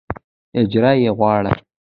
اجر یې غواړه.